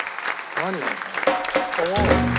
何？